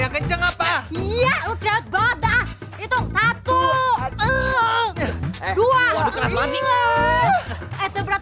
kenceng apa iya ya itu believes